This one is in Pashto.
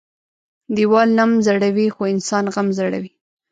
ديوال نم زړوى خو انسان غم زړوى.